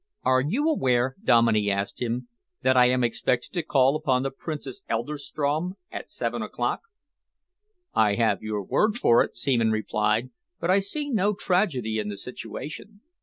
"Are you aware," Dominey asked him, "that I am expected to call upon the Princess Eiderstrom at seven o'clock?" "I have your word for it," Seaman replied, "but I see no tragedy in the situation.